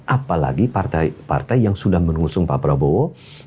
apalagi partai partai yang sudah mengusung pak prabowo